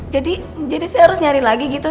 jadi jadi saya harus nyari lagi gitu sus